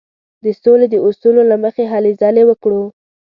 د سولې د اصولو له مخې هلې ځلې وکړو.